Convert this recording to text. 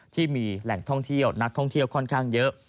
ที่มีแหล่งท่องเที่ยวนักท่องเที่ยวค่อนข้างเยอะ